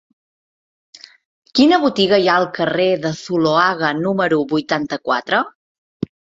Quina botiga hi ha al carrer de Zuloaga número vuitanta-quatre?